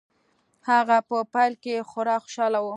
هغه په پیل کې خورا خوشحاله و